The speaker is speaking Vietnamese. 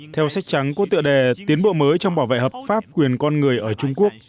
theo sách trắng của tựa đề tiến bộ mới trong bảo vệ hợp pháp quyền con người ở trung quốc